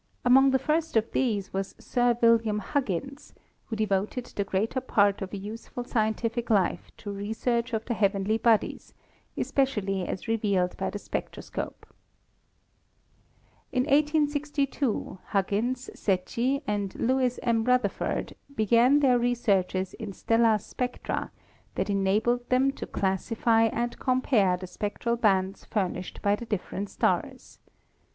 Among the first of these was Sir William Huggins, who devoted the greater part of a useful scientific life to research of the heavenly bodies,, especially as revealed by the spectroscope. In 1862 Huggins, Secchi and Lewis M. Rutherfurd began their researches in stellar spectra that enabled them RISE OF ASTROPHYSICS 35 to classify and compare the spectral bands furnished by the different stars.